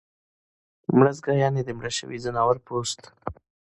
مړزګه یعنی د مړه شوي ځناور پوست